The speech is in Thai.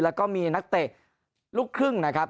แล้วก็มีนักเตะลูกครึ่งนะครับ